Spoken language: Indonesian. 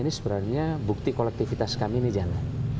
ini sebenarnya bukti kolektifitas kami ini jangan